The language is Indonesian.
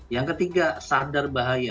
yang ketiga sadar bahaya